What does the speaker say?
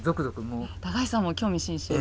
高橋さんも興味津々で。